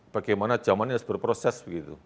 bagaimana zaman ini harus berproses